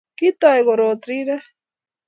Kitoy korot rirek